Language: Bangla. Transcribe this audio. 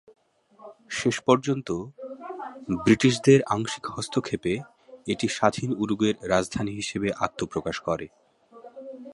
শেষ পর্যন্ত ব্রিটিশদের আংশিক হস্তক্ষেপে এটি স্বাধীন উরুগুয়ের রাজধানী হিসেবে আত্মপ্রকাশ করে।